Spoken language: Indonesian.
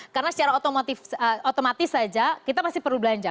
karena secara otomatis saja kita masih perlu belanja